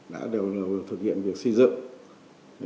đã đều thực hiện việc xây dựng